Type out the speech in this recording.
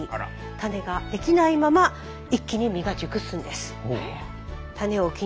種が出来ないまま一気に実が熟すんです。